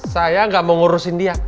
saya nggak mau ngurusin dia